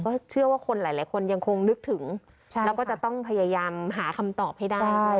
เพราะเชื่อว่าคนหลายคนยังคงนึกถึงแล้วก็จะต้องพยายามหาคำตอบให้ได้